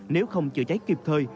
nếu không chữa cháy kịp thời